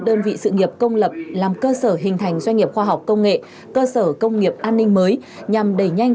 đơn vị sự nghiệp công lập làm cơ sở hình thành doanh nghiệp khoa học công nghệ cơ sở công nghiệp an ninh mới nhằm đẩy nhanh